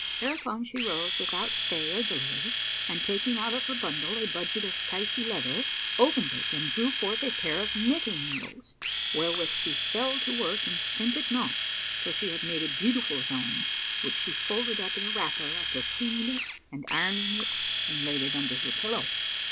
Thereupon she arose without stay or delay and taking out of her bundle a budget of Táifí leather,[FN#474] opened it and drew forth a pair of knitting needles, wherewith she fell to work and stinted not till she had made a beautiful zone, which she folded up in a wrapper after cleaning it and ironing it, and laid it under her pillow.